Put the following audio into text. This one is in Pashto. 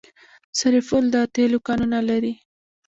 سرپل د تیلو کانونه لري